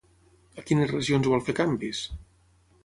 A quines regions vol fer canvis?